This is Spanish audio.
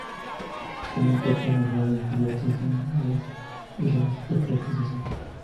Tiene un cuerpo alargado y cubierto con dos hileras de placas óseas.